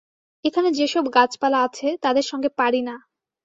এখানে যে-সব গাছপালা আছে, তাদের সঙ্গে পারি না।